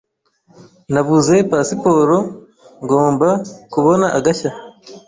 Nabuze pasiporo. Ngomba kubona agashya.